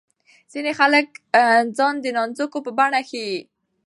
ځینې خلک ځان د نانځکو په بڼه ښيي.